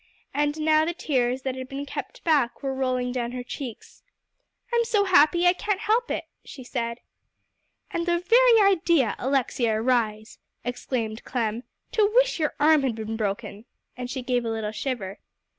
And now the tears that had been kept back, were rolling down her cheeks. "I'm so happy, I can't help it," she said. "And the very idea, Alexia Rhys," exclaimed Clem, "to wish your arm had been broken!" and she gave a little shiver.